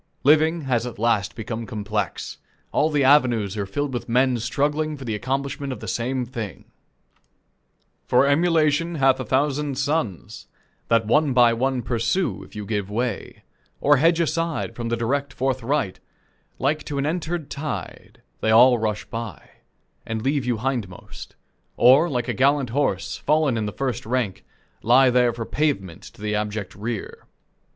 Living has at last become complex. All the avenues are filled with men struggling for the accomplishment of the same thing: "For emulation hath a thousand sons That one by one pursue: if you give way, Or hedge aside from the direct forthright, Like to an entered tide, they all rush by, And leave you hindmost; Or, like a gallant horse, fallen in first rank, Lie there for pavement to the abject rear."